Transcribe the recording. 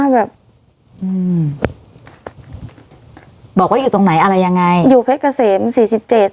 แบบอืมบอกว่าอยู่ตรงไหนอะไรยังไงอยู่เพชรเกษมสี่สิบเจ็ด